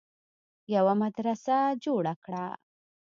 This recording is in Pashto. يوه مدرسه جوړه کړه